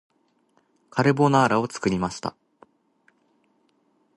カルボナーラを作りました